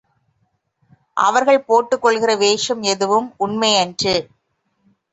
அவர்கள் போட்டுக் கொள்ளுகிற வேஷம் எதுவும் உண்மை அன்று.